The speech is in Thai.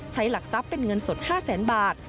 ใช้หลักทรัพย์เป็นเงินสด๕๐๐๐๐๐บาท